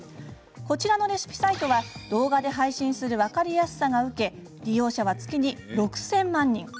こちらのレシピサイトは動画で配信する分かりやすさが受け利用者は月に６０００万人。